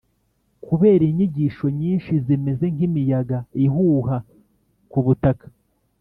Kubera inyigisho nyinshi zimeze nk'imiyaga ihuha ku butaka,